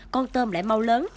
con tôm lại mau lớn